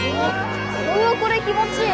うわこれ気持ちいい。